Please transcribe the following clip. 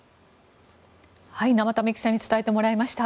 生田目記者に伝えてもらいました。